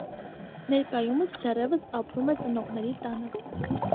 Ներկայումս դեռևս ապրում է ծնողների տանը։